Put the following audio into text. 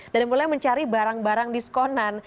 dan mulai mencari barang barang diskonan